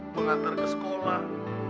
mengantar ke sekolah